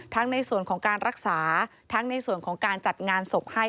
ในส่วนของการรักษาทั้งในส่วนของการจัดงานศพให้